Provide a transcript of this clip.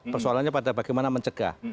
persoalannya pada bagaimana mencegah